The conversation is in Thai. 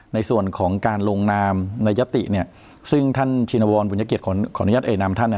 ในส่วนของการลงนามในยศติเนี่ยซึ่งท่านชินวรบุญเกียจของนุญัติเอนามท่าน